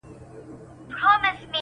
چي ناڅاپه مي ور وښودل غاښونه!.